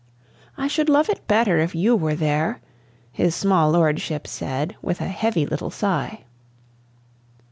"I should love it better if you were there," his small lordship said, with a heavy little sigh.